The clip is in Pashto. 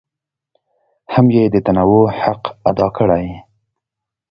هم یې د تنوع حق ادا کړی.